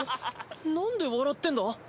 なんで笑ってんだ！？